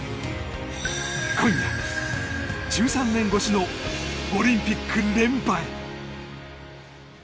今夜、１３年越しのオリンピック連覇へ。